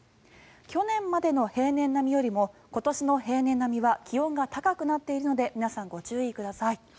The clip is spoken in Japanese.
去年までの平年並みよりも今年の平年並みは気温が高くなっているので皆さんご注意ください。